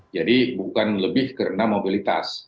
bukan lebih karena mobilitas